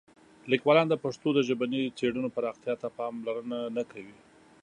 لیکوالان د پښتو د ژبني څېړنو پراختیا ته پاملرنه نه کوي.